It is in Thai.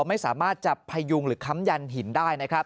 ไม่สามารถจับพยุงหรือค้ำยันหินได้นะครับ